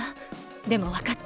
でもわかった。